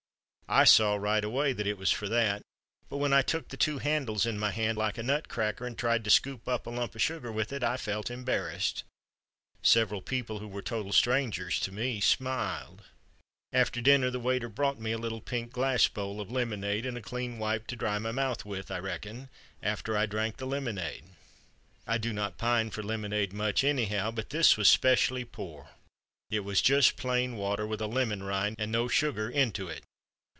I saw right away that it was for that, but when I took the two handles in my hand like a nut cracker and tried to scoop up a lump of sugar with it I felt embarrassed. Several people who were total strangers to me smiled. "After dinner the waiter brought me a little pink glass bowl of lemonade and a clean wipe to dry my mouth with, I reckon, after I drank the lemonade. I do not pine for lemonade much, anyhow, but this was specially poor. It was just plain water, with a lemon rind and no sugar into it.